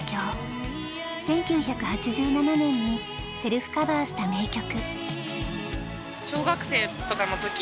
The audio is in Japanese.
１９８７年にセルフカバーした名曲。